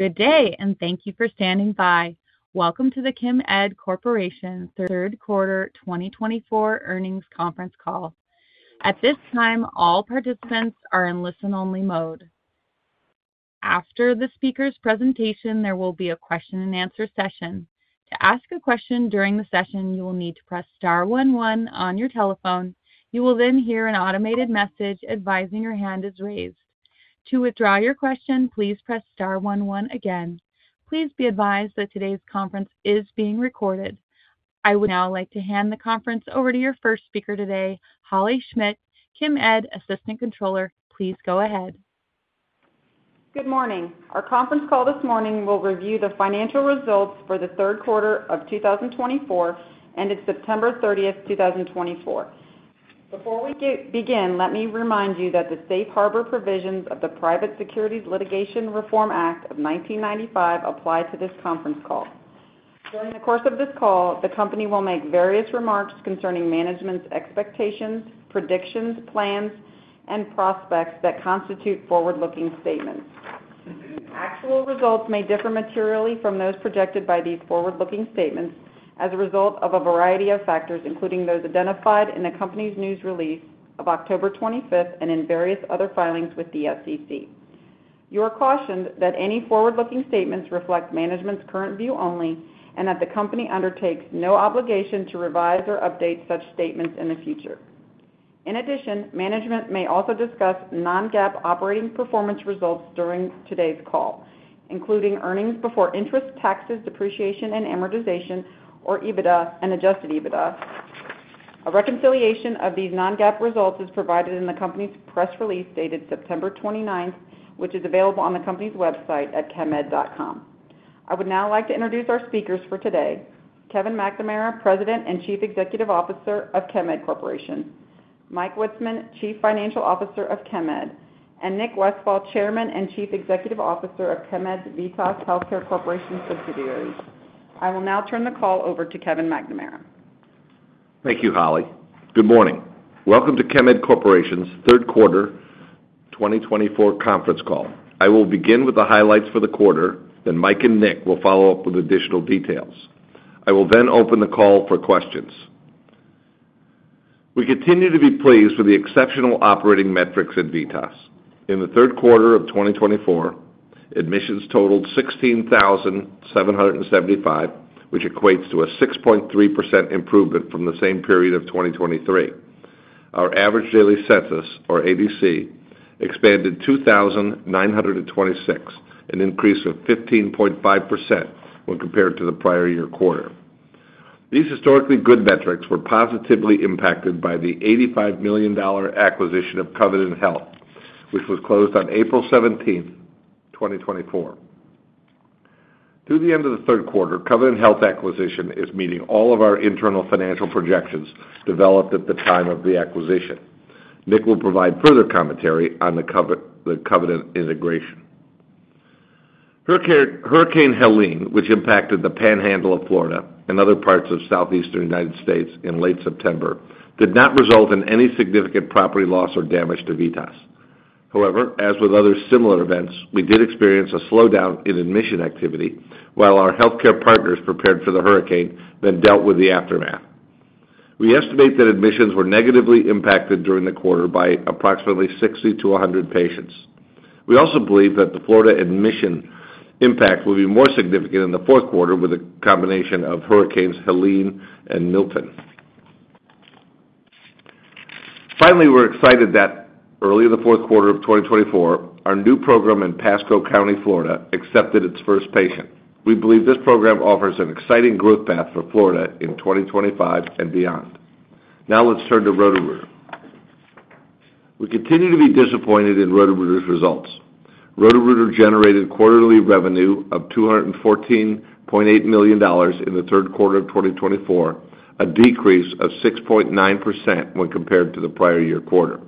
Good day, and thank you for standing by. Welcome to the Chemed Corporation Third Quarter 2024 Earnings Conference Call. At this time, all participants are in listen-only mode. After the speaker's presentation, there will be a question-and-answer session. To ask a question during the session, you will need to press star 11 on your telephone. You will then hear an automated message advising your hand is raised. To withdraw your question, please press star 11 again. Please be advised that today's conference is being recorded. I would now like to hand the conference over to your first speaker today, Holley Schmidt, Chemed Assistant Controller. Please go ahead. Good morning. Our conference call this morning will review the financial results for the third quarter of 2024 ended September 30, 2024. Before we begin, let me remind you that the safe harbor provisions of the Private Securities Litigation Reform Act of 1995 apply to this conference call. During the course of this call, the company will make various remarks concerning management's expectations, predictions, plans, and prospects that constitute forward-looking statements. Actual results may differ materially from those projected by these forward-looking statements as a result of a variety of factors, including those identified in the company's news release of October 25 and in various other filings with the SEC. You are cautioned that any forward-looking statements reflect management's current view only, and that the company undertakes no obligation to revise or update such statements in the future. In addition, management may also discuss non-GAAP operating performance results during today's call, including earnings before interest, taxes, depreciation, and amortization, or EBITDA, and adjusted EBITDA. A reconciliation of these non-GAAP results is provided in the company's press release dated September 29, which is available on the company's website at chemed.com. I would now like to introduce our speakers for today: Kevin McNamara, President and Chief Executive Officer of Chemed Corporation, Mike Witzeman, Chief Financial Officer of Chemed, and Nick Westfall, Chairman and Chief Executive Officer of Chemed's VITAS Healthcare Corporation subsidiaries. I will now turn the call over to Kevin McNamara. Thank you, Holley. Good morning. Welcome to Chemed Corporation's Third Quarter 2024 Conference Call. I will begin with the highlights for the quarter, then Mike and Nick will follow up with additional details. I will then open the call for questions. We continue to be pleased with the exceptional operating metrics at VITAS. In the third quarter of 2024, admissions totaled 16,775, which equates to a 6.3% improvement from the same period of 2023. Our average daily census, or ADC, expanded 2,926, an increase of 15.5% when compared to the prior year quarter. These historically good metrics were positively impacted by the $85 million acquisition of Covenant Health, which was closed on April 17, 2024. Through the end of the third quarter, Covenant Health's acquisition is meeting all of our internal financial projections developed at the time of the acquisition. Nick will provide further commentary on the Covenant integration. Hurricane Helene, which impacted the Panhandle of Florida and other parts of southeastern United States in late September, did not result in any significant property loss or damage to VITAS. However, as with other similar events, we did experience a slowdown in admission activity while our healthcare partners prepared for the hurricane, then dealt with the aftermath. We estimate that admissions were negatively impacted during the quarter by approximately 60 to 100 patients. We also believe that the Florida admission impact will be more significant in the fourth quarter with a combination of Hurricanes Helene and Milton. Finally, we're excited that, early in the fourth quarter of 2024, our new program in Pasco County, Florida, accepted its first patient. We believe this program offers an exciting growth path for Florida in 2025 and beyond. Now let's turn to Roto-Rooter. We continue to be disappointed in Roto-Rooter's results. Roto-Rooter generated quarterly revenue of $214.8 million in the third quarter of 2024, a decrease of 6.9% when compared to the prior year quarter.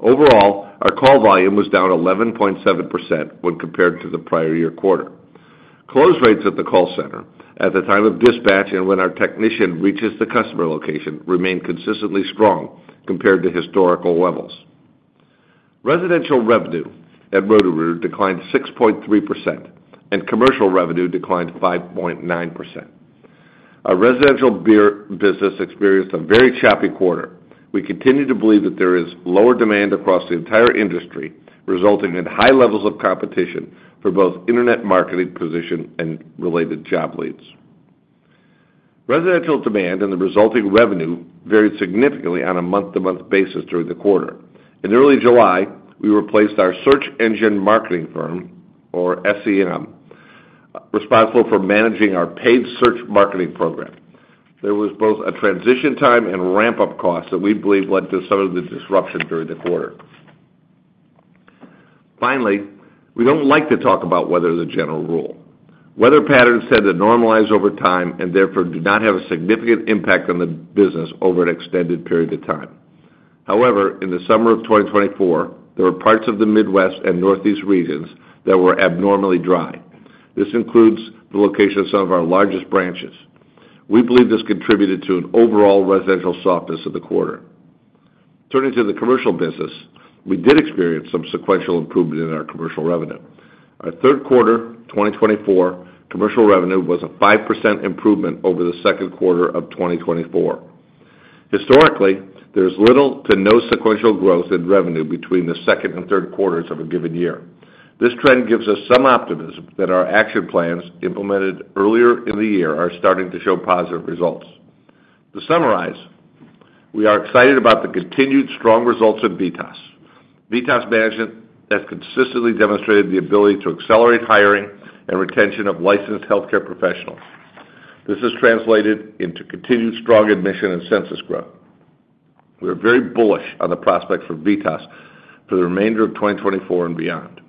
Overall, our call volume was down 11.7% when compared to the prior year quarter. Close rates at the call center at the time of dispatch and when our technician reaches the customer location remained consistently strong compared to historical levels. Residential revenue at Roto-Rooter declined 6.3%, and commercial revenue declined 5.9%. Our residential core business experienced a very choppy quarter. We continue to believe that there is lower demand across the entire industry, resulting in high levels of competition for both internet marketing positions and related job leads. Residential demand and the resulting revenue varied significantly on a month-to-month basis during the quarter. In early July, we replaced our search engine marketing firm, or SEM, responsible for managing our paid search marketing program. There was both a transition time and ramp-up cost that we believe led to some of the disruption during the quarter. Finally, we don't like to talk about weather as a general rule. Weather patterns tend to normalize over time and therefore do not have a significant impact on the business over an extended period of time. However, in the summer of 2024, there were parts of the Midwest and Northeast regions that were abnormally dry. This includes the location of some of our largest branches. We believe this contributed to an overall residential softness of the quarter. Turning to the commercial business, we did experience some sequential improvement in our commercial revenue. Our third quarter 2024 commercial revenue was a 5% improvement over the second quarter of 2024. Historically, there is little to no sequential growth in revenue between the second and third quarters of a given year. This trend gives us some optimism that our action plans implemented earlier in the year are starting to show positive results. To summarize, we are excited about the continued strong results of VITAS. VITAS management has consistently demonstrated the ability to accelerate hiring and retention of licensed healthcare professionals. This has translated into continued strong admission and census growth. We are very bullish on the prospects for VITAS for the remainder of 2024 and beyond.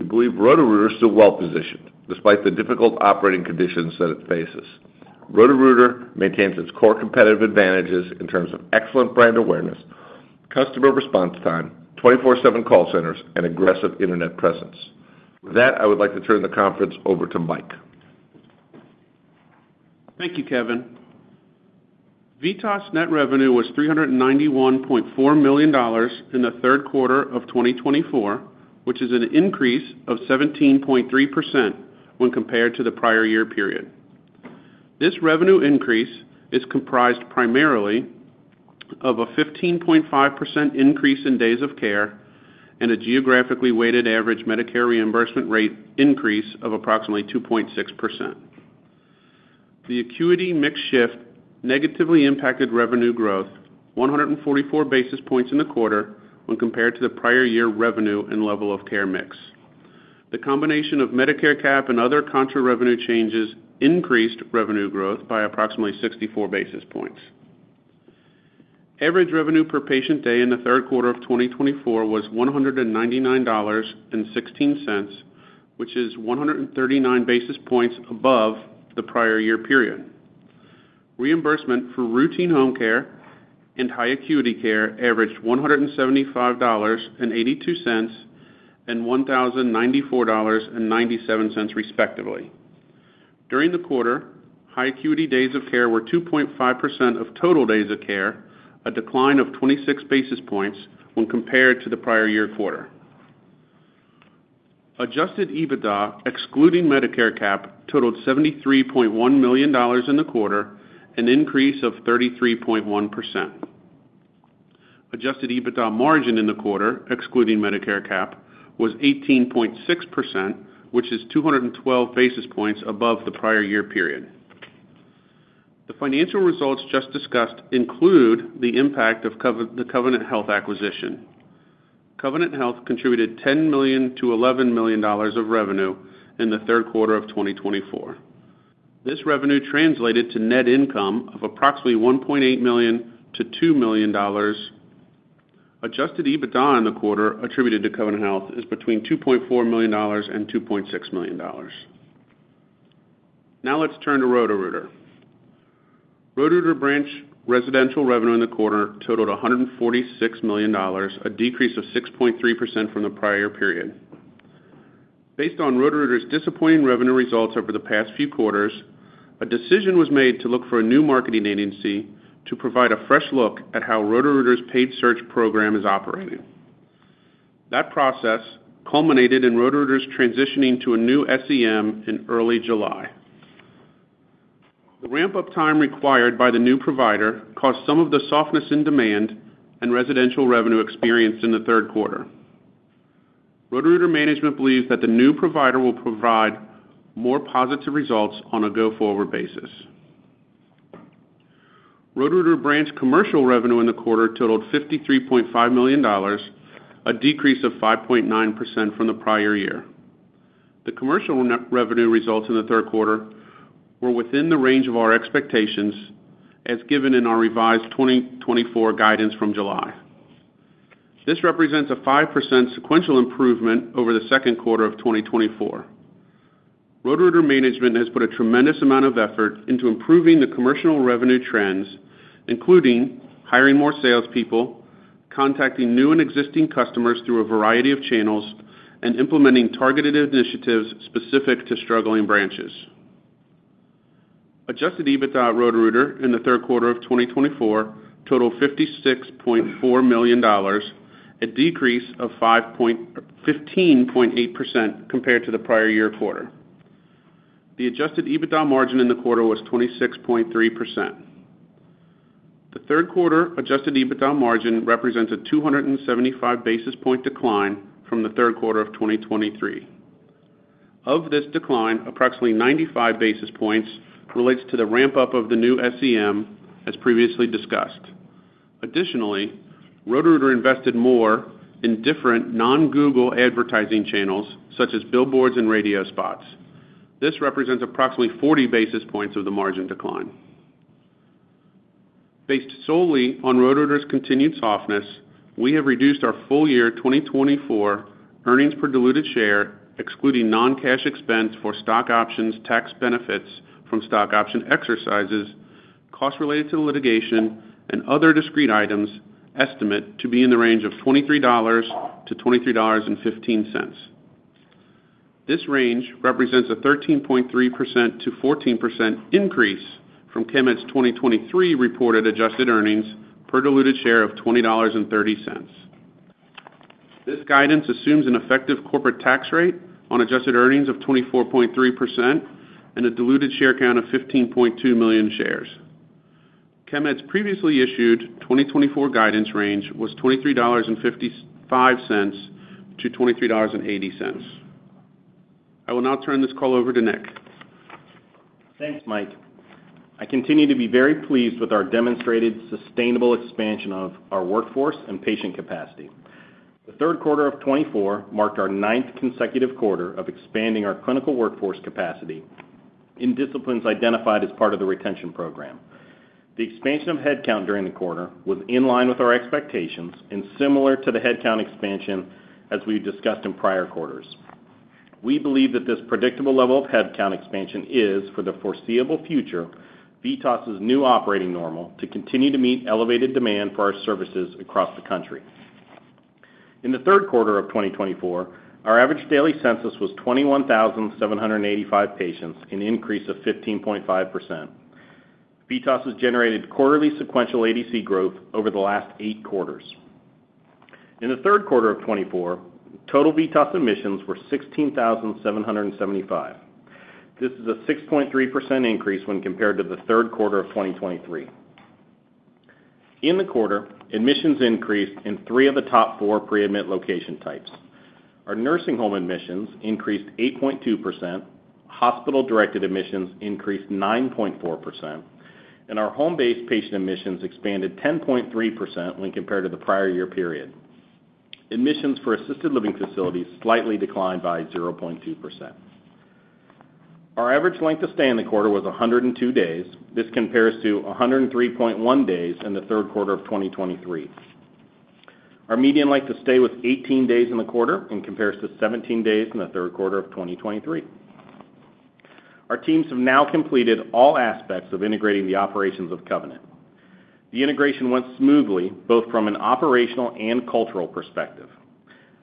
We believe Roto-Rooter is still well-positioned despite the difficult operating conditions that it faces. Roto-Rooter maintains its core competitive advantages in terms of excellent brand awareness, customer response time, 24/7 call centers, and aggressive internet presence. With that, I would like to turn the conference over to Mike. Thank you, Kevin. VITAS' net revenue was $391.4 million in the third quarter of 2024, which is an increase of 17.3% when compared to the prior year period. This revenue increase is comprised primarily of a 15.5% increase in days of care and a geographically weighted average Medicare reimbursement rate increase of approximately 2.6%. The acuity mix shift negatively impacted revenue growth, 144 basis points in the quarter when compared to the prior year revenue and level of care mix. The combination of Medicare cap and other contra-revenue changes increased revenue growth by approximately 64 basis points. Average revenue per patient day in the third quarter of 2024 was $199.16, which is 139 basis points above the prior year period. Reimbursement for routine home care and high acuity care averaged $175.82 and $1,094.97 respectively. During the quarter, high acuity days of care were 2.5% of total days of care, a decline of 26 basis points when compared to the prior year quarter. Adjusted EBITDA, excluding Medicare cap, totaled $73.1 million in the quarter, an increase of 33.1%. Adjusted EBITDA margin in the quarter, excluding Medicare cap, was 18.6%, which is 212 basis points above the prior year period. The financial results just discussed include the impact of the Covenant Health acquisition. Covenant Health contributed $10 million to $11 million of revenue in the third quarter of 2024. This revenue translated to net income of approximately $1.8 million to $2 million. Adjusted EBITDA in the quarter attributed to Covenant Health is between $2.4 million and $2.6 million. Now let's turn to Roto-Rooter. Roto-Rooter branch residential revenue in the quarter totaled $146 million, a decrease of 6.3% from the prior year period. Based on Roto-Rooter's disappointing revenue results over the past few quarters, a decision was made to look for a new marketing agency to provide a fresh look at how Roto-Rooter's paid search program is operating. That process culminated in Roto-Rooter's transitioning to a new SEM in early July. The ramp-up time required by the new provider caused some of the softness in demand and residential revenue experienced in the third quarter. Roto-Rooter management believes that the new provider will provide more positive results on a go-forward basis. Roto-Rooter branch commercial revenue in the quarter totaled $53.5 million, a decrease of 5.9% from the prior year. The commercial revenue results in the third quarter were within the range of our expectations, as given in our revised 2024 guidance from July. This represents a 5% sequential improvement over the second quarter of 2024. Roto-Rooter management has put a tremendous amount of effort into improving the commercial revenue trends, including hiring more salespeople, contacting new and existing customers through a variety of channels, and implementing targeted initiatives specific to struggling branches. Adjusted EBITDA at Roto-Rooter in the third quarter of 2024 totaled $56.4 million, a decrease of 15.8% compared to the prior year quarter. The adjusted EBITDA margin in the quarter was 26.3%. The third quarter adjusted EBITDA margin represents a 275 basis point decline from the third quarter of 2023. Of this decline, approximately 95 basis points relates to the ramp-up of the new SEM, as previously discussed. Additionally, Roto-Rooter invested more in different non-Google advertising channels, such as billboards and radio spots. This represents approximately 40 basis points of the margin decline. Based solely on Roto-Rooter's continued softness, we have reduced our full year 2024 earnings per diluted share, excluding non-cash expense for stock options, tax benefits from stock option exercises, costs related to litigation, and other discrete items, estimate to be in the range of $23-$23.15. This range represents a 13.3%-14% increase from Chemed's 2023 reported adjusted earnings per diluted share of $20.30. This guidance assumes an effective corporate tax rate on adjusted earnings of 24.3% and a diluted share count of 15.2 million shares. Chemed's previously issued 2024 guidance range was $23.55-$23.80. I will now turn this call over to Nick. Thanks, Mike. I continue to be very pleased with our demonstrated sustainable expansion of our workforce and patient capacity. The third quarter of 2024 marked our ninth consecutive quarter of expanding our clinical workforce capacity in disciplines identified as part of the retention program. The expansion of headcount during the quarter was in line with our expectations and similar to the headcount expansion as we discussed in prior quarters. We believe that this predictable level of headcount expansion is, for the foreseeable future, VITAS' new operating normal to continue to meet elevated demand for our services across the country. In the third quarter of 2024, our average daily census was 21,785 patients, an increase of 15.5%. VITAS has generated quarterly sequential ADC growth over the last eight quarters. In the third quarter of 2024, total VITAS admissions were 16,775. This is a 6.3% increase when compared to the third quarter of 2023. In the quarter, admissions increased in three of the top four pre-admit location types. Our nursing home admissions increased 8.2%, hospital-directed admissions increased 9.4%, and our home-based patient admissions expanded 10.3% when compared to the prior year period. Admissions for assisted living facilities slightly declined by 0.2%. Our average length of stay in the quarter was 102 days. This compares to 103.1 days in the third quarter of 2023. Our median length of stay was 18 days in the quarter and compares to 17 days in the third quarter of 2023. Our teams have now completed all aspects of integrating the operations of Covenant. The integration went smoothly both from an operational and cultural perspective.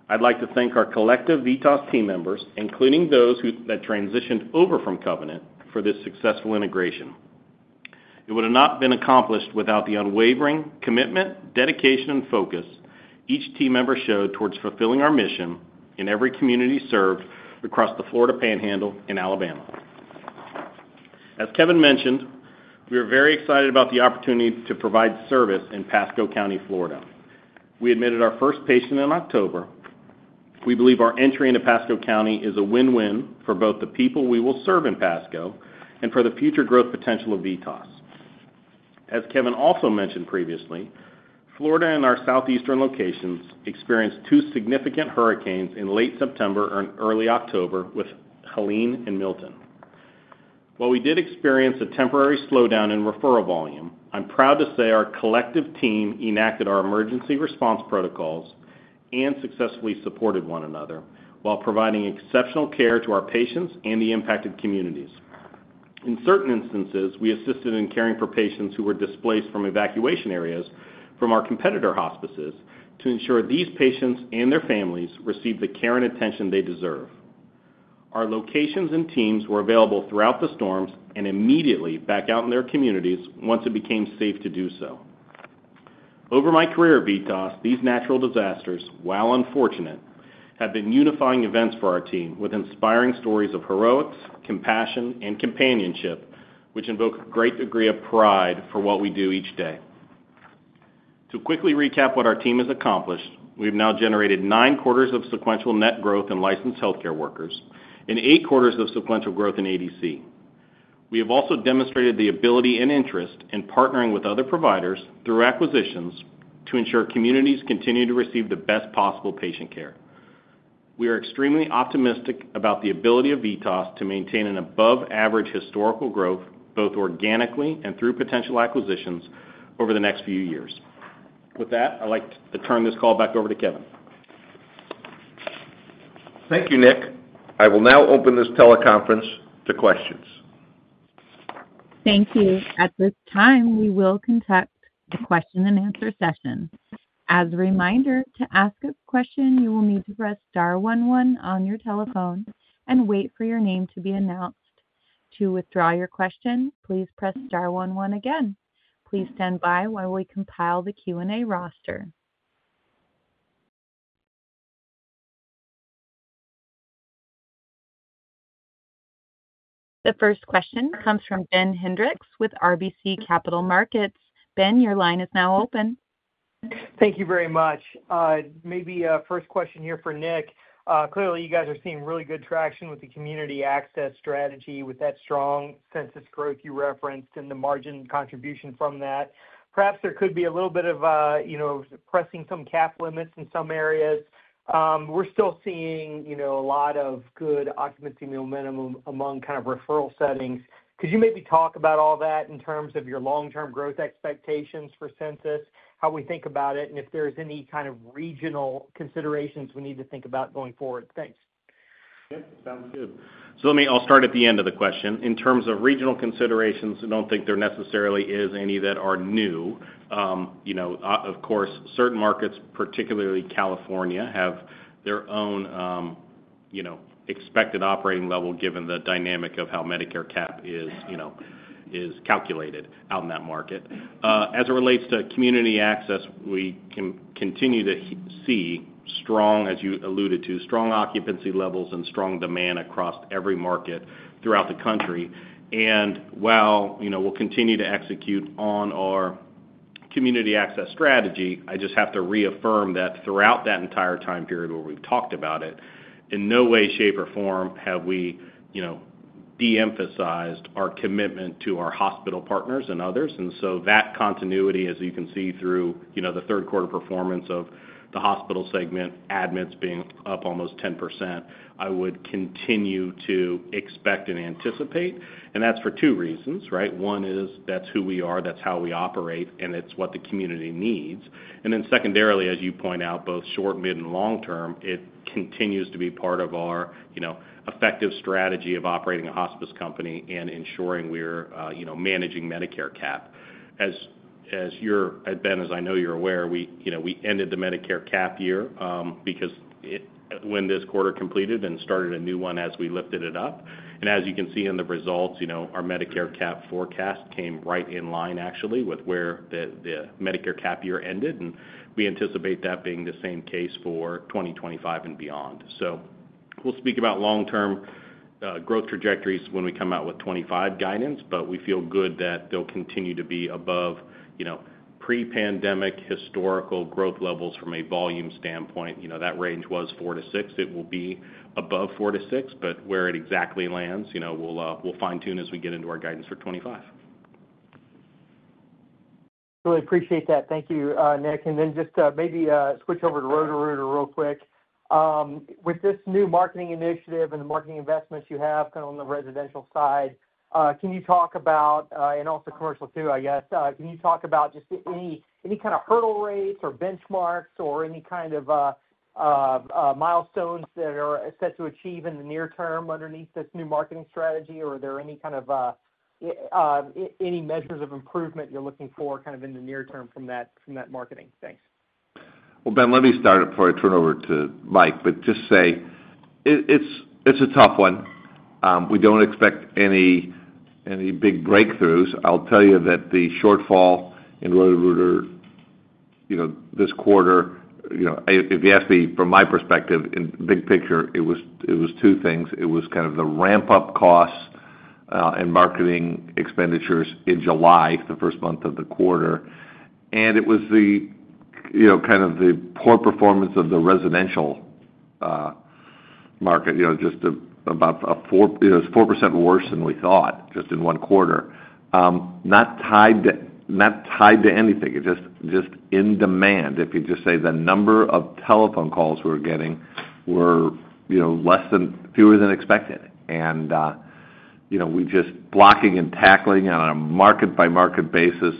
I'd like to thank our collective VITAS team members, including those that transitioned over from Covenant for this successful integration. It would have not been accomplished without the unwavering commitment, dedication, and focus each team member showed towards fulfilling our mission in every community served across the Florida Panhandle and Alabama. As Kevin mentioned, we are very excited about the opportunity to provide service in Pasco County, Florida. We admitted our first patient in October. We believe our entry into Pasco County is a win-win for both the people we will serve in Pasco and for the future growth potential of VITAS. As Kevin also mentioned previously, Florida and our southeastern locations experienced two significant hurricanes in late September and early October with Helene and Milton. While we did experience a temporary slowdown in referral volume, I'm proud to say our collective team enacted our emergency response protocols and successfully supported one another while providing exceptional care to our patients and the impacted communities. In certain instances, we assisted in caring for patients who were displaced from evacuation areas from our competitor hospices to ensure these patients and their families received the care and attention they deserve. Our locations and teams were available throughout the storms and immediately back out in their communities once it became safe to do so. Over my career at VITAS, these natural disasters, while unfortunate, have been unifying events for our team with inspiring stories of heroics, compassion, and companionship, which invoke a great degree of pride for what we do each day. To quickly recap what our team has accomplished, we have now generated nine quarters of sequential net growth in licensed healthcare workers and eight quarters of sequential growth in ADC. We have also demonstrated the ability and interest in partnering with other providers through acquisitions to ensure communities continue to receive the best possible patient care. We are extremely optimistic about the ability of VITAS to maintain an above-average historical growth both organically and through potential acquisitions over the next few years. With that, I'd like to turn this call back over to Kevin. Thank you, Nick. I will now open this teleconference to questions. Thank you. At this time, we will conduct a question-and-answer session. As a reminder, to ask a question, you will need to press star 11 on your telephone and wait for your name to be announced. To withdraw your question, please press star 11 again. Please stand by while we compile the Q&A roster. The first question comes from Ben Hendricks with RBC Capital Markets. Ben, your line is now open. Thank you very much. Maybe a first question here for Nick. Clearly, you guys are seeing really good traction with the community access strategy, with that strong census growth you referenced and the margin contribution from that. Perhaps there could be a little bit of pressing some cap limits in some areas. We're still seeing a lot of good occupancy momentum among kind of referral settings. Could you maybe talk about all that in terms of your long-term growth expectations for census, how we think about it, and if there's any kind of regional considerations we need to think about going forward? Thanks. Yep, sounds good, so I'll start at the end of the question. In terms of regional considerations, I don't think there necessarily is any that are new. Of course, certain markets, particularly California, have their own expected operating level given the dynamic of how Medicare cap is calculated out in that market. As it relates to community access, we can continue to see, as you alluded to, strong occupancy levels and strong demand across every market throughout the country, and while we'll continue to execute on our community access strategy, I just have to reaffirm that throughout that entire time period where we've talked about it, in no way, shape, or form have we de-emphasized our commitment to our hospital partners and others. And so that continuity, as you can see through the third quarter performance of the hospital segment, admits being up almost 10%, I would continue to expect and anticipate. And that's for two reasons, right? One is that's who we are, that's how we operate, and it's what the community needs. And then secondarily, as you point out, both short, mid, and long term, it continues to be part of our effective strategy of operating a hospice company and ensuring we're managing Medicare Cap. As you're, Ben, as I know you're aware, we ended the Medicare Cap year because when this quarter completed and started a new one as we lifted it up. And as you can see in the results, our Medicare Cap forecast came right in line, actually, with where the Medicare Cap year ended. And we anticipate that being the same case for 2025 and beyond. So we'll speak about long-term growth trajectories when we come out with 2025 guidance, but we feel good that they'll continue to be above pre-pandemic historical growth levels from a volume standpoint. That range was four to six. It will be above four to six, but where it exactly lands, we'll fine-tune as we get into our guidance for 2025. Really appreciate that. Thank you, Nick. And then just maybe switch over to Roto-Rooter real quick. With this new marketing initiative and the marketing investments you have kind of on the residential side, can you talk about, and also commercial too, I guess, can you talk about just any kind of hurdle rates or benchmarks or any kind of milestones that are set to achieve in the near term underneath this new marketing strategy? Or are there any kind of measures of improvement you're looking for kind of in the near term from that marketing? Thanks. Well, Ben, let me start before I turn over to Mike, but just say it's a tough one. We don't expect any big breakthroughs. I'll tell you that the shortfall in Roto-Rooter this quarter, if you ask me from my perspective in big picture, it was two things. It was kind of the ramp-up costs and marketing expenditures in July, the first month of the quarter. And it was kind of the poor performance of the residential market, just about, it was 4% worse than we thought just in one quarter. Not tied to anything, just in demand, if you just say the number of telephone calls we were getting were fewer than expected. And we just blocking and tackling on a market-by-market basis,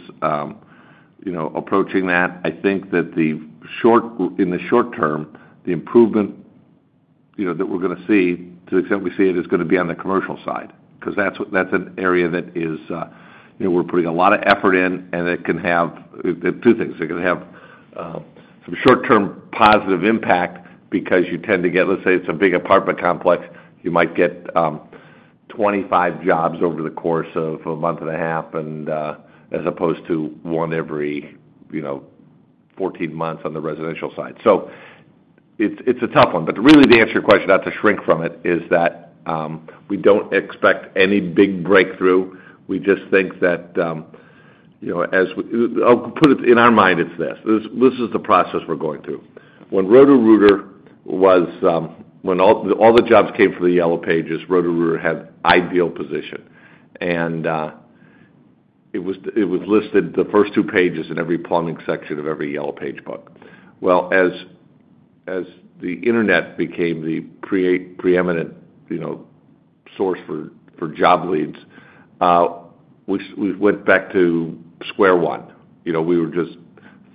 approaching that. I think that in the short term, the improvement that we're going to see, to the extent we see it, is going to be on the commercial side because that's an area that we're putting a lot of effort in, and it can have two things. It can have some short-term positive impact because you tend to get, let's say it's a big apartment complex, you might get 25 jobs over the course of a month and a half as opposed to one every 14 months on the residential side. So it's a tough one. But really, to answer your question, not to shrink from it, is that we don't expect any big breakthrough. We just think that as I'll put it in our mind, it's this. This is the process we're going through. When all the jobs came from the Yellow Pages, Roto-Rooter had an ideal position. It was listed in the first two pages in every plumbing section of every Yellow Pages book. As the internet became the preeminent source for job leads, we went back to square one. We were just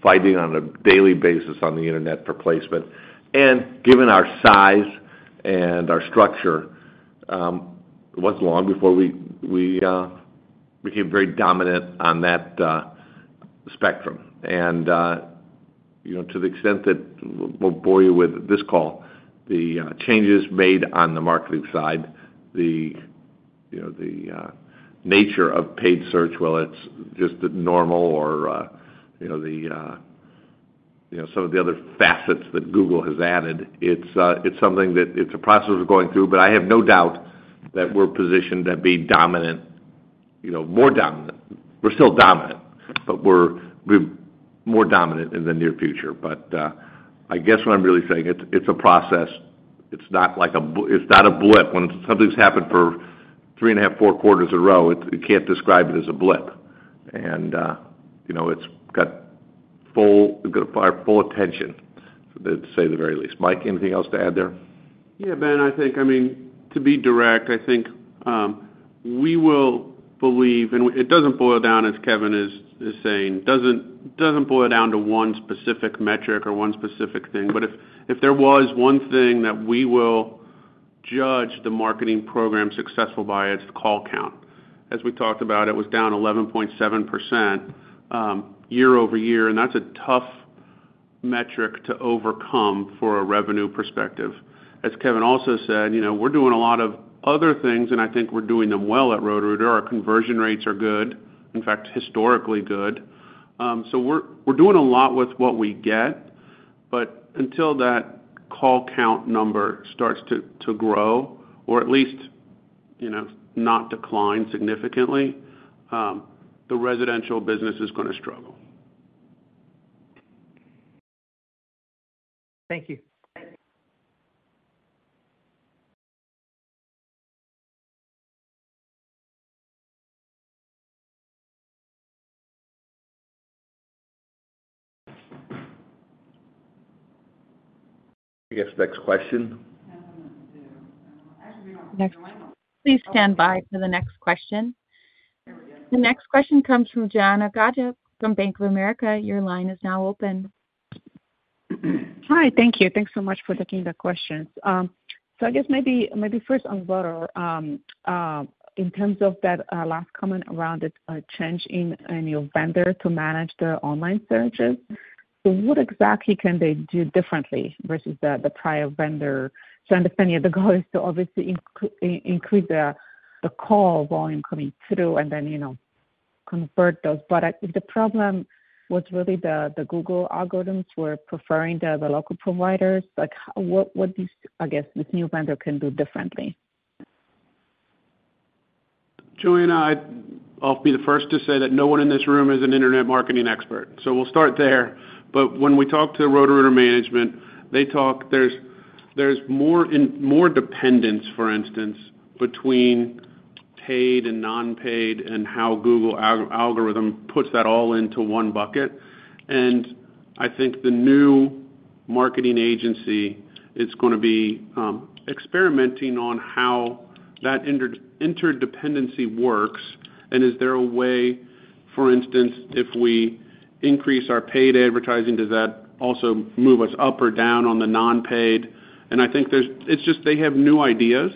fighting on a daily basis on the internet for placement. Given our size and our structure, it wasn't long before we became very dominant on that spectrum. To the extent that we'll bore you with this call, the changes made on the marketing side, the nature of paid search, whether it's just normal or some of the other facets that Google has added, it's something. It's a process we're going through. I have no doubt that we're positioned to be dominant, more dominant. We're still dominant, but we're more dominant in the near future. But I guess what I'm really saying, it's a process. It's not like it's not a blip. When something's happened for three and a half, four quarters in a row, you can't describe it as a blip. And it's got full attention, to say the very least. Mike, anything else to add there? Yeah, Ben, I think—I mean, to be direct—I think we will believe, and it doesn't boil down, as Kevin is saying, it doesn't boil down to one specific metric or one specific thing. But if there was one thing that we will judge the marketing program successful by, it's call count. As we talked about, it was down 11.7% year over year, and that's a tough metric to overcome for a revenue perspective. As Kevin also said, we're doing a lot of other things, and I think we're doing them well at Roto-Rooter. Our conversion rates are good, in fact, historically good, so we're doing a lot with what we get. But until that call count number starts to grow, or at least not decline significantly, the residential business is going to struggle. Thank you. I guess next question. Please stand by for the next question. The next question comes from Joanna Gajda from Bank of America. Your line is now open. Hi, thank you. Thanks so much for taking the questions. So I guess maybe first on Roto, in terms of that last comment around the change in your vendor to manage the online searches, so what exactly can they do differently versus the prior vendor? So I understand the goal is to obviously increase the call volume coming through and then convert those. But if the problem was really the Google algorithms were preferring the local providers, what do you, I guess, this new vendor can do differently? Joanna, I'll be the first to say that no one in this room is an internet marketing expert. So we'll start there. But when we talk to Roto-Rooter management, they talk there's more dependence, for instance, between paid and non-paid and how Google algorithm puts that all into one bucket. And I think the new marketing agency is going to be experimenting on how that interdependency works. And is there a way, for instance, if we increase our paid advertising, does that also move us up or down on the non-paid? And I think it's just they have new ideas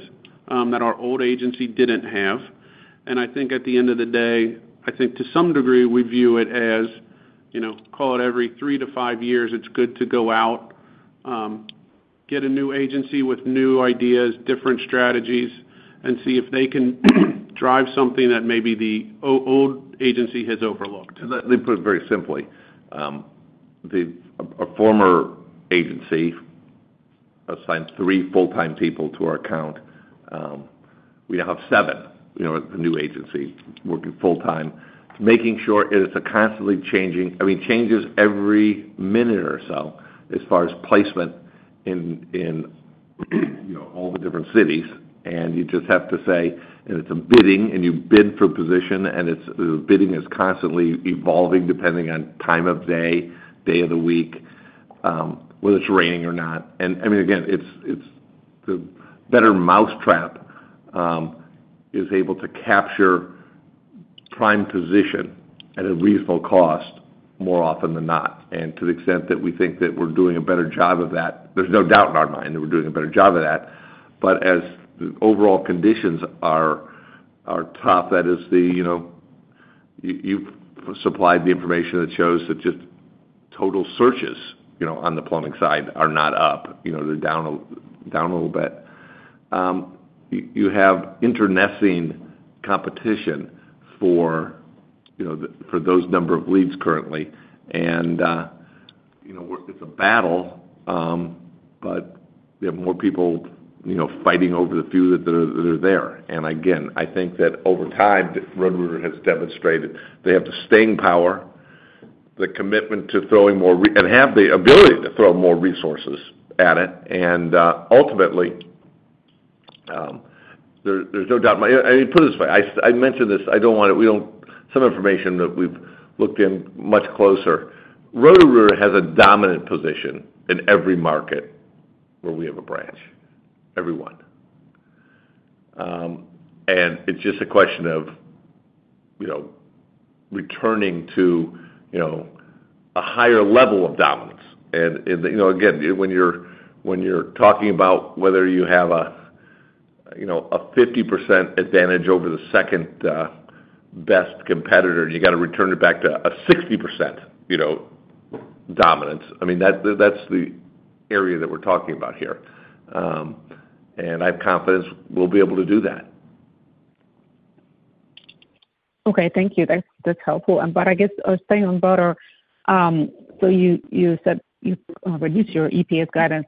that our old agency didn't have. I think at the end of the day, I think to some degree, we view it as, call it every three to five years, it's good to go out, get a new agency with new ideas, different strategies, and see if they can drive something that maybe the old agency has overlooked. Let me put it very simply. A former agency assigned three full-time people to our account. We now have seven at the new agency working full-time, making sure it is a constantly changing, I mean, changes every minute or so as far as placement in all the different cities, and you just have to stay, and it's a bidding, and you bid for a position, and the bidding is constantly evolving depending on time of day, day of the week, whether it's raining or not. And I mean, again, it's the better mousetrap is able to capture prime position at a reasonable cost more often than not, and to the extent that we think that we're doing a better job of that, there's no doubt in our mind that we're doing a better job of that. But as the overall conditions are tough, that is, the information you've supplied shows that just total searches on the plumbing side are not up. They're down a little bit. You have intensifying competition for those number of leads currently. And it's a battle, but we have more people fighting over the few that are there. And again, I think that over time, Roto-Rooter has demonstrated they have the staying power, the commitment to throwing more and have the ability to throw more resources at it. And ultimately, there's no doubt in my mind. I mean, put it this way. I mentioned this. I don't want to. We don't share some information that we've looked at much closer. Roto-Rooter has a dominant position in every market where we have a branch, every one. And it's just a question of returning to a higher level of dominance. And again, when you're talking about whether you have a 50% advantage over the second best competitor, you got to return it back to a 60% dominance. I mean, that's the area that we're talking about here. And I have confidence we'll be able to do that. Okay. Thank you. That's helpful. But I guess staying on Roto, so you said you've used your EPS guidance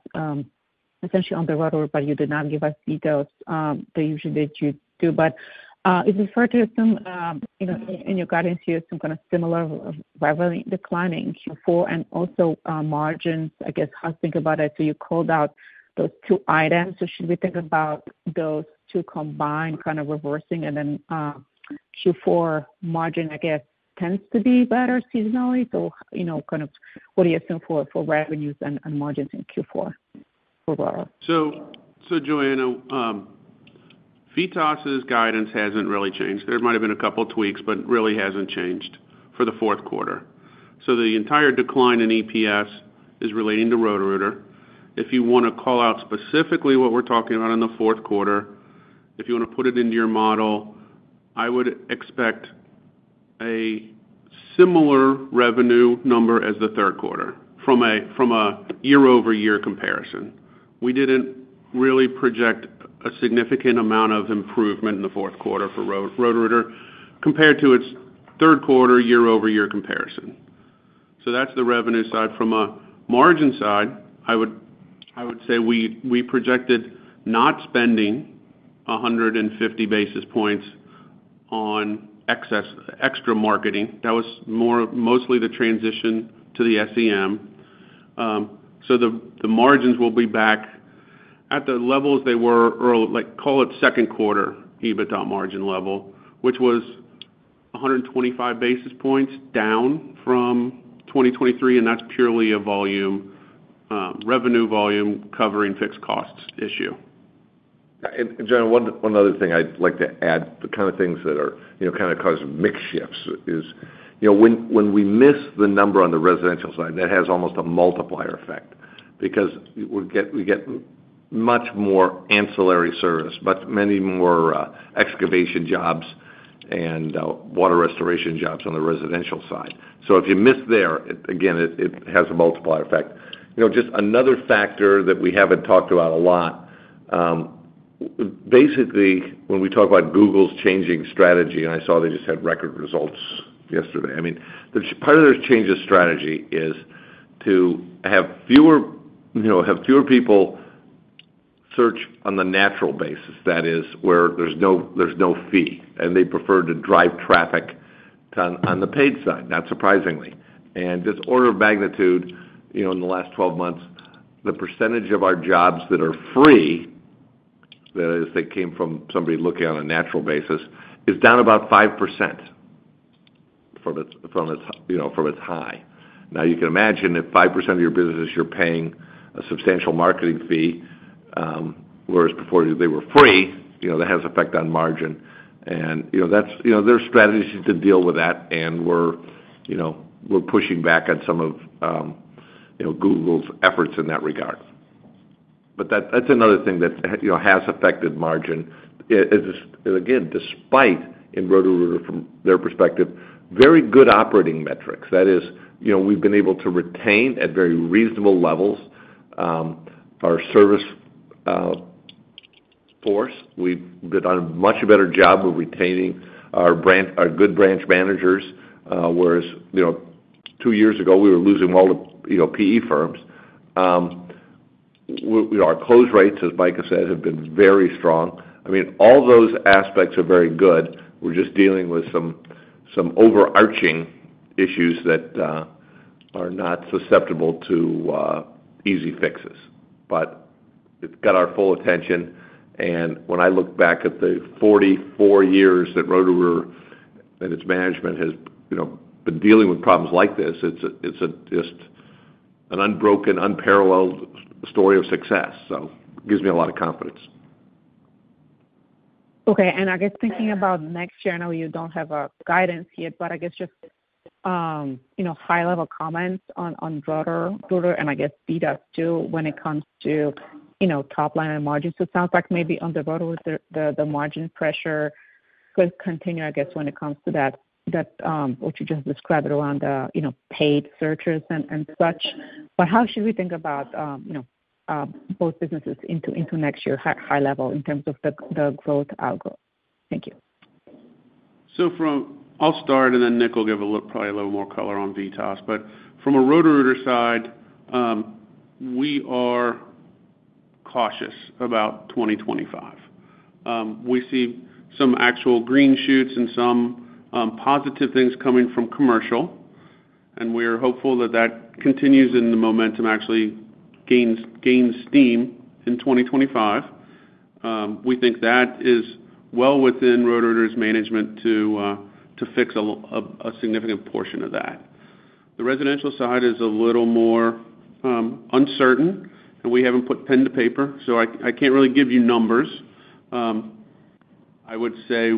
essentially on the Roto, but you did not give us details that usually you do. But if we refer to some in your guidance, you have some kind of similar revenue declining, Q4 and also margins, I guess, how to think about it. So you called out those two items. So should we think about those two combined kind of reversing and then Q4 margin, I guess, tends to be better seasonally? So kind of what do you assume for revenues and margins in Q4 for Roto? So Joanna, VITAS's guidance hasn't really changed. There might have been a couple of tweaks, but really hasn't changed for the fourth quarter. So the entire decline in EPS is relating to Roto-Rooter. If you want to call out specifically what we're talking about in the fourth quarter, if you want to put it into your model, I would expect a similar revenue number as the third quarter from a year-over-year comparison. We didn't really project a significant amount of improvement in the fourth quarter for Roto-Rooter compared to its third quarter year-over-year comparison. So that's the revenue side. From a margin side, I would say we projected not spending 150 basis points on extra marketing. That was mostly the transition to the SEM. So the margins will be back at the levels they were early, call it second quarter EBITDA margin level, which was 125 basis points down from 2023. And that's purely a volume, revenue volume covering fixed costs issue. And Joanna, one other thing I'd like to add. The kind of things that are kind of causing mixed shifts is when we miss the number on the residential side. That has almost a multiplier effect because we get much more ancillary service, but many more excavation jobs and water restoration jobs on the residential side. So if you miss there, again, it has a multiplier effect. Just another factor that we haven't talked about a lot. Basically, when we talk about Google's changing strategy, and I saw they just had record results yesterday. I mean, part of their change of strategy is to have fewer people search on the natural basis, that is, where there's no fee. And they prefer to drive traffic on the paid side, not surprisingly. Just order of magnitude, in the last 12 months, the percentage of our jobs that are free, that is, that came from somebody looking on a natural basis, is down about 5% from its high. Now, you can imagine if 5% of your business, you're paying a substantial marketing fee, whereas before they were free, that has an effect on margin. And their strategy is to deal with that. And we're pushing back on some of Google's efforts in that regard. But that's another thing that has affected margin. Again, despite, in Roto-Rooter, from their perspective, very good operating metrics. That is, we've been able to retain at very reasonable levels our service force. We've done a much better job of retaining our good branch managers, whereas two years ago, we were losing all the PE firms. Our close rates, as Micah said, have been very strong. I mean, all those aspects are very good. We're just dealing with some overarching issues that are not susceptible to easy fixes. But it's got our full attention. And when I look back at the 44 years that Roto-Rooter, that its management has been dealing with problems like this, it's just an unbroken, unparalleled story of success. So it gives me a lot of confidence. Okay. And I guess thinking about next year, I know you don't have guidance yet, but I guess just high-level comments on Roto-Rooter and I guess VITAS too when it comes to top-line and margins. It sounds like maybe on the Roto-Rooter, the margin pressure could continue, I guess, when it comes to that, what you just described around the paid searches and such. But how should we think about both businesses into next year, high level, in terms of the growth algorithm? Thank you. So I'll start, and then Nick will give probably a little more color on VITAS. But from a Roto-Rooter side, we are cautious about 2025. We see some actual green shoots and some positive things coming from commercial. And we are hopeful that that continues and the momentum actually gains steam in 2025. We think that is well within Roto-Rooter's management to fix a significant portion of that. The residential side is a little more uncertain, and we haven't put pen to paper, so I can't really give you numbers. I would say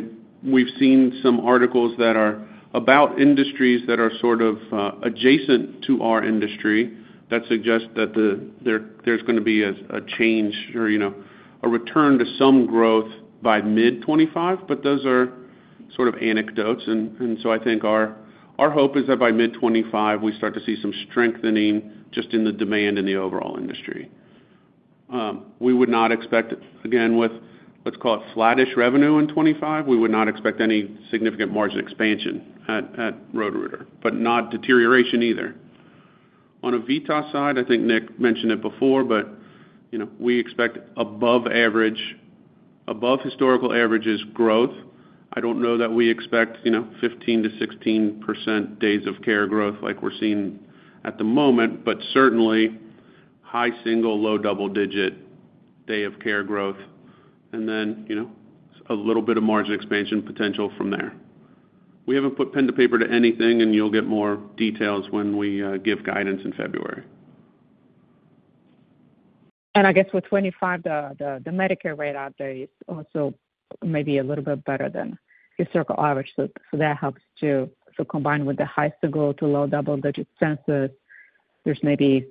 we've seen some articles that are about industries that are sort of adjacent to our industry that suggest that there's going to be a change or a return to some growth by mid-2025. But those are sort of anecdotes. And so I think our hope is that by mid-2025, we start to see some strengthening just in the demand in the overall industry. We would not expect, again, with, let's call it, flattish revenue in 2025, we would not expect any significant margin expansion at Roto-Rooter, but not deterioration either. On a VITAS side, I think Nick mentioned it before, but we expect above historical averages growth. I don't know that we expect 15% to 16% days of care growth like we're seeing at the moment, but certainly high single, low double-digit day of care growth, and then a little bit of margin expansion potential from there. We haven't put pen to paper to anything, and you'll get more details when we give guidance in February. I guess with 25, the Medicare rate out there is also maybe a little bit better than historical average. So that helps too. So combined with the high single- to low double-digit census, there's maybe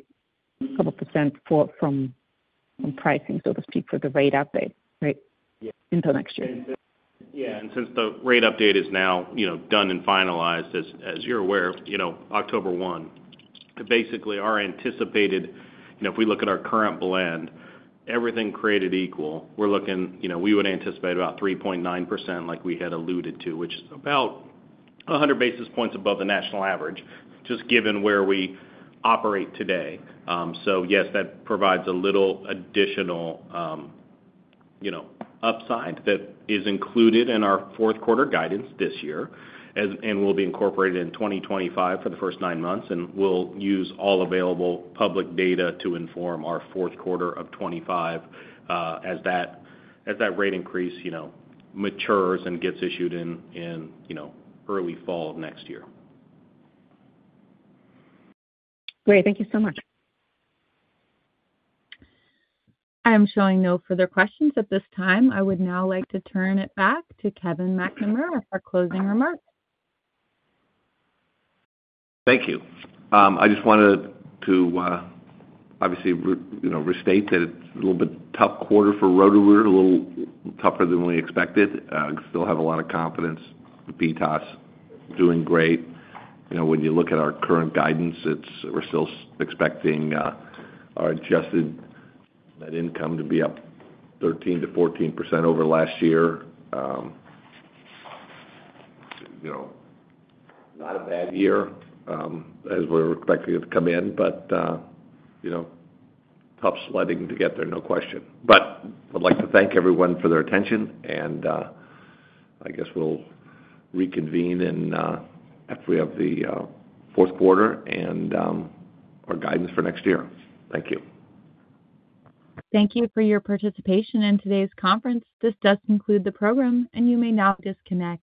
a couple % from pricing, so to speak, for the rate update, right, into next year. Yeah. Since the rate update is now done and finalized, as you're aware, October 1, basically, our anticipated, if we look at our current blend, everything created equal, we're looking we would anticipate about 3.9% like we had alluded to, which is about 100 basis points above the national average, just given where we operate today. Yes, that provides a little additional upside that is included in our fourth quarter guidance this year and will be incorporated in 2025 for the first nine months. We'll use all available public data to inform our fourth quarter of 2025 as that rate increase matures and gets issued in early fall of next year. Great. Thank you so much. I'm showing no further questions at this time. I would now like to turn it back to Kevin McNamara for closing remarks. Thank you. I just wanted to obviously restate that it's a little bit tough quarter for Roto-Rooter, a little tougher than we expected. Still have a lot of confidence with VITAS doing great. When you look at our current guidance, we're still expecting our adjusted net income to be up 13%-14% over last year. Not a bad year as we're expecting it to come in, but tough sledding to get there, no question. But I'd like to thank everyone for their attention. And I guess we'll reconvene after we have the fourth quarter and our guidance for next year. Thank you. Thank you for your participation in today's conference. This does conclude the program, and you may now disconnect.